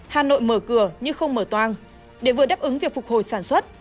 hà nội mở cửa nhưng không mở toang để vừa đáp ứng việc phục hồi sản xuất